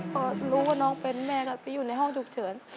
พอรู้ว่าน้องเป็นแม่ก็ไปอยู่ในห้องฉุกเฉิน